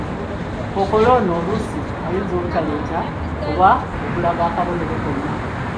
Kookolo ono oluusi ayinza obutaleeta oba okulaga akabonero konna